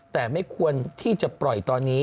แต่ไม่ควรที่จะปล่อยตอนนี้